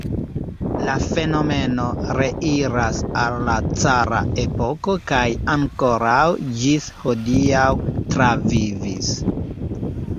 La fenomeno reiras al la cara epoko kaj ankoraŭ ĝis hodiaŭ travivis.